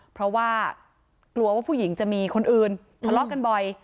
เพราะว่ากลัวว่าผู้หญิงจะมีคนอื่นทะเลาะกันบ่อย